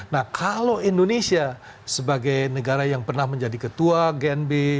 nah kalau indonesia sebagai negara yang pernah menjadi ketua gnb